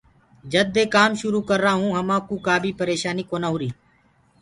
جد دي ڪآم شروُ ڪررآ هونٚ همآ ڪوُ ڪآ بيٚ پريشآنيٚ ڪونآ هوريٚ۔